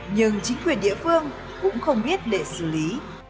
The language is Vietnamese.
nhưng chính quyền địa phương cũng không biết để xử lý